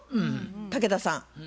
竹田さん。